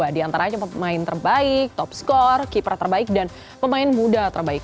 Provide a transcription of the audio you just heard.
di antaranya pemain terbaik top skor kiprah terbaik dan pemain muda terbaik